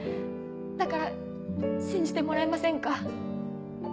だから信じてもらえませんか？